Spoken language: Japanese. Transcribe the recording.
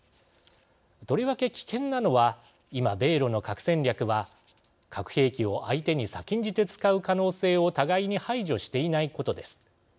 とりわけ危険なのは今、米ロの核戦略は核兵器を相手に先んじて使う可能性を互いに排除していないことです。